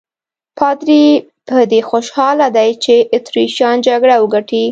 پادري په دې خوشاله دی چې اتریشیان جګړه وګټي.